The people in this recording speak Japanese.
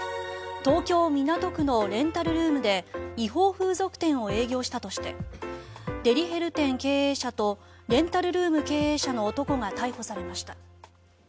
東京・港区のレンタルルームで違法風俗店を営業したとしてデリヘル店経営者とレンタルルーム経営者の男が逮捕されました。